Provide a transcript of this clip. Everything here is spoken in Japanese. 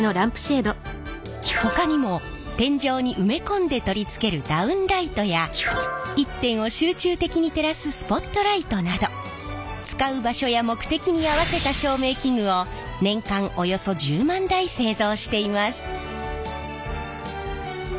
ほかにも天井に埋め込んで取り付けるダウンライトや一点を集中的に照らすスポットライトなど使う場所や目的に合わせた照明器具を年間およそ１０万台製造しています。